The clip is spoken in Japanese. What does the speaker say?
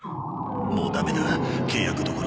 もうダメだ契約どころじゃない